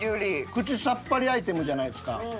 口さっぱりアイテムじゃないですか。